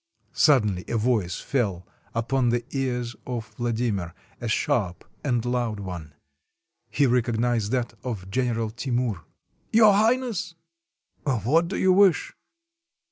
Suddenly a voice fell upon the ears of Vladimir — a sharp and loud one. He recognized that of General Timur. ''Your Highness." "What do you wish?"